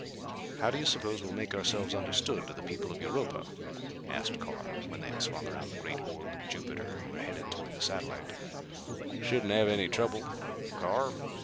"How do you suppose we'll make ourselves understood to the people of Europa?" asked Carr, when they had swung around the great orb of Jupiter and were headed toward the satellite. "Shouldn't have any trouble, Carr.